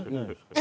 え